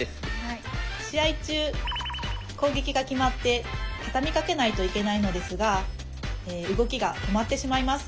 試合中攻撃が決まってたたみかけないといけないのですが動きが止まってしまいます。